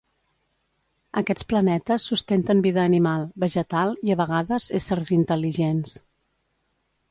Aquests planetes sustenten vida animal, vegetal i a vegades éssers intel·ligents.